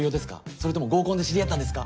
それとも合コンで知り合ったんですか？